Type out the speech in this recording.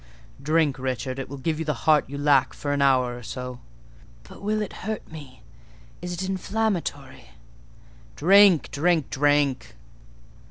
"Drink, Richard: it will give you the heart you lack, for an hour or so." "But will it hurt me?—is it inflammatory?" "Drink! drink! drink!"